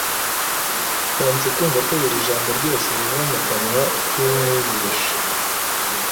Banze kumva ko buri jambo ryose riva mu kanwa k'Umwigisha